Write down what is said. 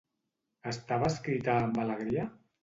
Estava escrita amb alegria?